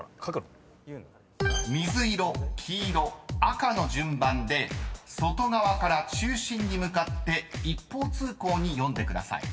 ［水色黄色赤の順番で外側から中心に向かって一方通行に読んでください］